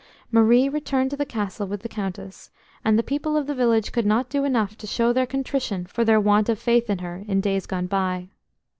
Marie returned to the Castle with the Countess, and the people of the village could not do enough to show their contrition for their want of faith in her in days gone by.